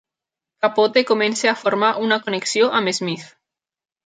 Capote comença a formar una connexió amb Smith.